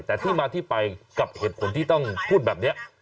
แต่ที่มาที่ไปกับเหตุผลที่ต้องพูดแบบนี้